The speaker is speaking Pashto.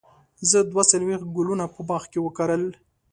زه دوه څلوېښت ګلونه په باغ کې وکرل.